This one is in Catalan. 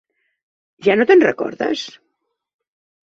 Ja no te'n recordes?